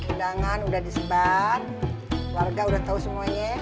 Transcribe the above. undangan udah disebar warga udah tau semuanya